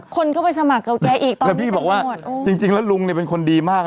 คนก็ไปสมัครกับแกอีกตอนแรกแล้วพี่บอกว่าจริงจริงแล้วลุงเนี่ยเป็นคนดีมากอ่ะ